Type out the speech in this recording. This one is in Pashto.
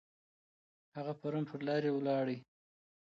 هغه پرون پر لارې ولاړی.